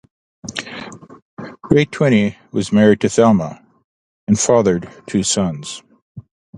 Ray Twinney was married to Thelma and fathered two sons.